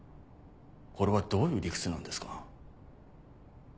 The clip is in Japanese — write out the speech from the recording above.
これはどういう理屈なんですか？